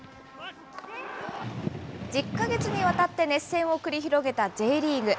１０か月にわたって熱戦を繰り広げたＪリーグ。